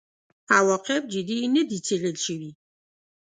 عواقب جدي نه دي څېړل شوي.